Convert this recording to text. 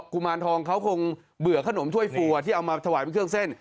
กุมารทองเขาคงเบื่อขนมถ้วยฟัวที่เอามาถวายเป็นเครื่องเส้น